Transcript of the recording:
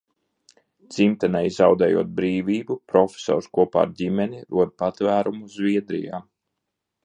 Dzimtenei zaudējot brīvību, profesors kopā ar ģimeni rod patvērumu Zviedrijā.